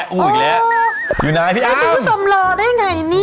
ก็ได้คุณผู้ชมรอได้ไงกัน